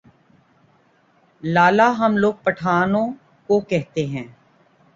لالہ ہم لوگ پٹھانوں کو کہتے ہیں ۔